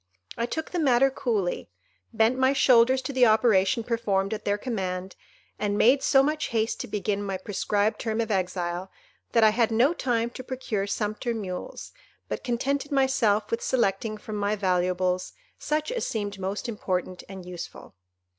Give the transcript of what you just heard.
I took the matter coolly, bent my shoulders to the operation performed at their command, and made so much haste to begin my prescribed term of exile, that I had no time to procure sumpter mules, but contented myself with selecting from my valuables such as seemed most important and useful.